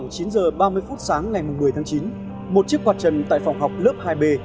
xin chào khán giả của an ninh tv